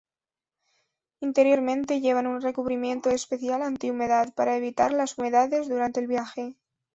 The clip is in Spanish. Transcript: Interiormente llevan un recubrimiento especial anti-humedad, para evitar las humedades durante el viaje.